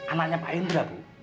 anaknya pak hendra